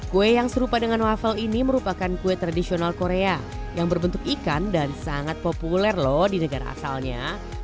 kue yang serupa dengan waffle ini merupakan kue tradisional korea yang berbentuk ikan dan sangat populer loh di negara asalnya